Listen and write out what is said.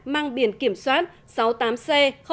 mang biển kiểm soát sáu mươi tám c bảy nghìn bảy trăm linh năm